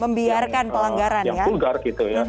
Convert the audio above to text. membiarkan pelanggaran ya